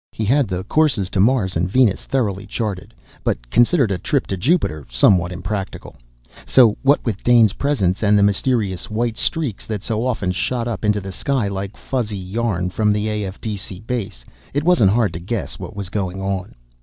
He had the courses to Mars and Venus thoroughly charted but considered a trip to Jupiter somewhat impractical. So, what with Dane's presence and the mysterious white streaks that so often shot up into the sky like fuzzy yarn from the AFDC base, it wasn't hard to guess what was going on.